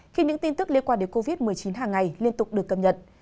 khi những tin tức liên quan đến covid một mươi chín hàng ngày liên tục được cập nhật